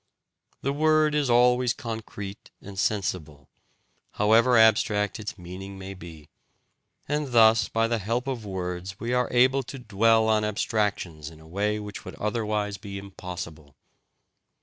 The word is always concrete and sensible, however abstract its meaning may be, and thus by the help of words we are able to dwell on abstractions in a way which would otherwise be impossible.